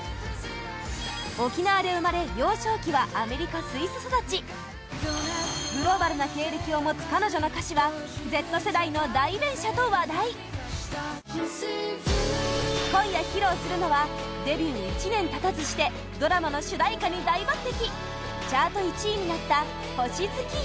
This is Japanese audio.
沖縄で生まれ幼少期はアメリカ、スイス育ちグローバルな経歴を持つ彼女の歌詞はＺ世代の代弁者と話題今夜披露するのはデビュー１年経たずしてドラマの主題歌に大抜擢チャート１位になった「星月夜」